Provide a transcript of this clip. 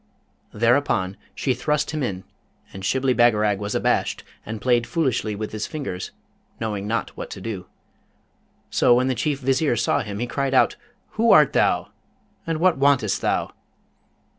Thereupon she thrust him in; and Shibli Bagarag was abashed, and played foolishly with his fingers, knowing not what to do. So when the Chief Vizier saw him he cried out, 'Who art thou, and what wantest thou?'